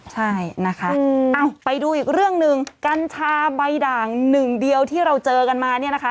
ใช่นะคะไปดูอีกเรื่องหนึ่งกัญชาใบด่างหนึ่งเดียวที่เราเจอกันมาเนี่ยนะคะ